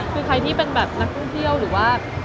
คือใครที่เป็นแบบนักท่องเที่ยวหรือว่า